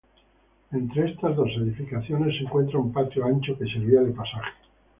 Entre estas dos edificaciones se encuentra un patio ancho que servía de pasaje.